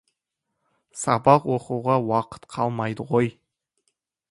Сабақ оқуға уақыт қалмайды ғой.